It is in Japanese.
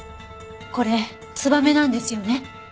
これツバメなんですよね？